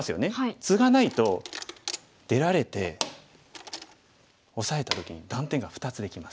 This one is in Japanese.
ツガないと出られてオサえた時に断点が２つできます。